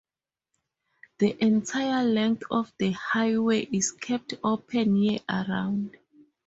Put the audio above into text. The entire length of the highway is kept open year-round.